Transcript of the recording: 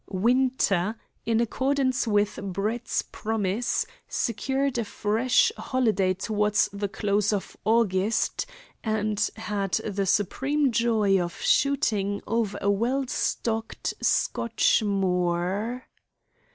Winter, in accordance with Brett's promise, secured a fresh holiday towards the close of August, and had the supreme joy of shooting over a well stocked Scotch moor.